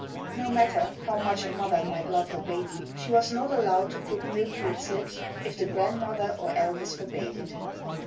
No matter how much a mother might love her baby, she was not allowed to put milk to its lips, if the grandmother or elders forbade it.